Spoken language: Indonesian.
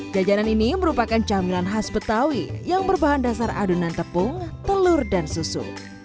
jajanan ini merupakan camilan khas betawi yang berbahan dasar adonan tepung telur dan susu